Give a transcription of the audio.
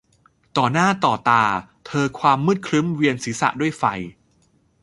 ต่อหน้าต่อตาเธอความมืดครึ้มเวียนศีรษะด้วยไฟ